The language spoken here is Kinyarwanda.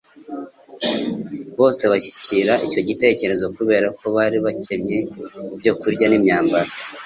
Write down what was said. Bose bashyigikira icyo gitekerezo kubera ko bari bakencye ibyo kurya n'imyambaro,